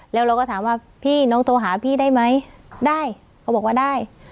แล้วเราก็ถามว่าพี่น้องโทรหาพี่ได้ไหมได้เขาบอกว่าได้